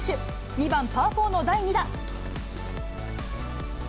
２番パー４の第２打。